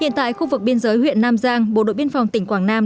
hiện tại khu vực biên giới huyện nam giang bộ đội biên phòng tỉnh quảng nam